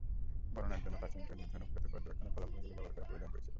গণনার জন্য প্রাচীন চৈনিক ধূমকেতু পর্যবেক্ষণের ফলাফলগুলি ব্যবহার করার প্রয়োজন পড়েছিল।